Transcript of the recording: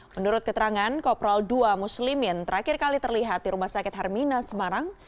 menurut keterangan kopral ii muslimin terakhir kali terlihat di rumah sakit hermina semarang